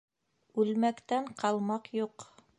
Үлмәктән ҡалмаҡ юҡ.